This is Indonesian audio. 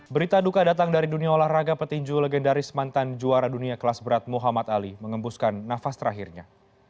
berita duka datang dari dunia olahraga petinju legendaris mantan juara dunia kelas berat muhammad ali mengembuskan nafas terakhirnya